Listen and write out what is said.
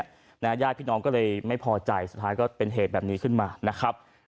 ญาติพี่น้องก็เลยไม่พอใจสุดท้ายก็เป็นเหตุแบบนี้ขึ้นมานะครับ